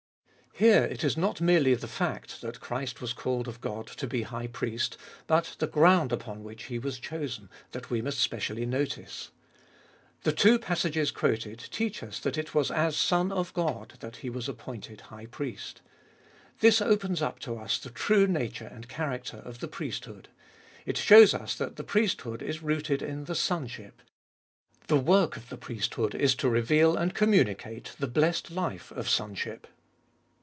Here it is not merely the fact that Christ was called of God to be High Priest, but the ground upon which He was chosen, that we must specially notice. The two passages quoted teach us that it was as Son of God that He was appointed High Priest. This opens up to us the true nature and character of the priesthood. It shows us that the priesthood is rooted in the sonship : the work of the priesthood is to reveal and communicate the blessed life of sonship.